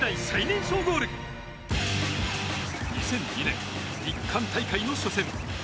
２００２年日韓大会の初戦。